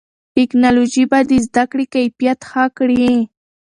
ټیکنالوژي به د زده کړې کیفیت ښه کړي.